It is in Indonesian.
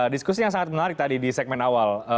diskusi yang sangat menarik tadi di segmen awal